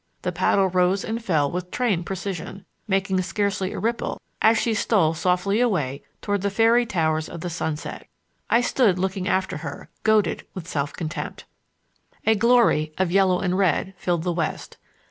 The paddle rose and fell with trained precision, making scarcely a ripple as she stole softly away toward the fairy towers of the sunset. I stood looking after her, goaded with self contempt. A glory of yellow and red filled the west.